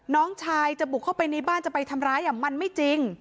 น้องชายจะบุกเข้าไปในบ้านจะไปทำร้ายมันไม่จริง